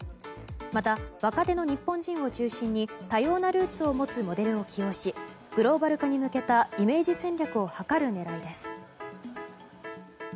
また若手の日本人を中心に多様なルーツを持つモデルを起用しグローバル化に向けたイメージ戦略を図る狙いです。